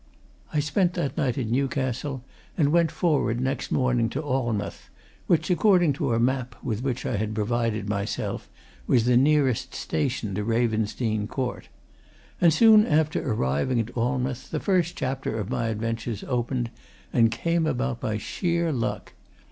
I spent that night at Newcastle and went forward next morning to Alnmouth, which according to a map with which I had provided myself, was the nearest station to Ravensdene Court. And soon after arriving at Alnmouth the first chapter of my adventures opened, and came about by sheer luck.